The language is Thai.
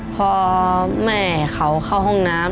พอแม่เขาเข้าห้องน้ำ